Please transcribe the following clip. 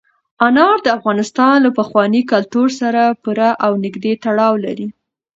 انار د افغانستان له پخواني کلتور سره پوره او نږدې تړاو لري.